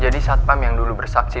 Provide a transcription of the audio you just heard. jadi satpam yang dulu bersaksi